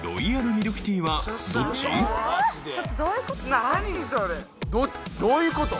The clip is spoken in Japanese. ・何それどういうこと？